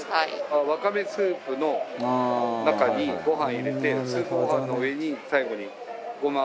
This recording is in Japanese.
わかめスープの中にご飯入れてスープご飯の上に最後にゴマ振って。